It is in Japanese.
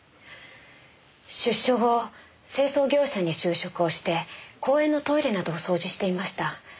出所後清掃業者に就職をして公園のトイレなどを掃除していました。